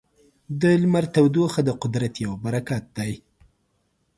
د لمر تودوخه د قدرت یو برکت دی.